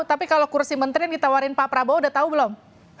tapi kalau kursi menteri yang ditawarin pak prabowo udah tahu belum